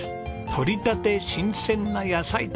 取りたて新鮮な野菜たち。